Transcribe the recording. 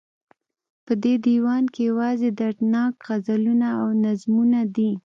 په دې ديوان کې يوازې دردناک غزلونه او نظمونه دي